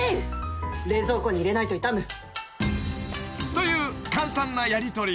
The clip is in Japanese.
［という簡単なやりとり］